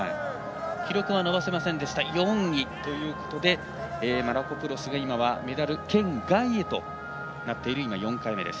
記録は伸ばせませんでした４位ということでマラコプロスが今はメダル圏外へとなっている今、４回目です。